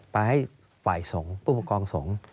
ไปให้ฝ่ายส่งผู้ปกรองส่ง